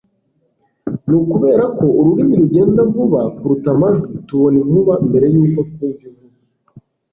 Ni ukubera ko urumuri rugenda vuba kuruta amajwi tubona inkuba mbere yuko twumva inkuba